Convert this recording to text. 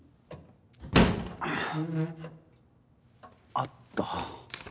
あった。